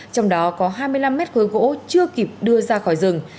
trong đó có hai mươi năm mét khối gỗ chưa kịp đưa ra khỏi rừng